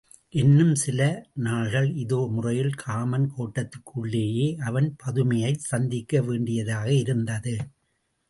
இன்னும் சில நாள்கள் இதே முறையில் காமன் கோட்டத்திற்குள்ளேயே அவன் பதுமையைச் சந்திக்க வேண்டியதாக இருந்தது.